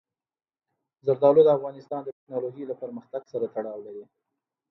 زردالو د افغانستان د تکنالوژۍ له پرمختګ سره تړاو لري.